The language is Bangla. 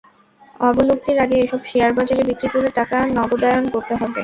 অবলুপ্তির আগে এসব শেয়ার বাজারে বিক্রি করে টাকা নগদায়ন করতে হবে।